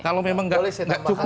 kalau memang gak cukup